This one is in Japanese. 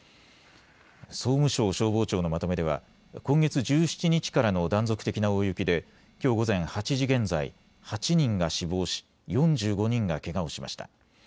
総務省消防庁のまとめでは今月１７日からの断続的な大雪できょう午前８時現在、８人が死亡し、４５人がけがをしました。